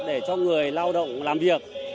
để cho người lao động làm việc